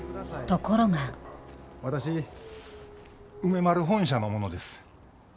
ところが私梅丸本社の者です。